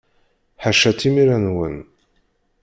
Ḥaca timira-nwen!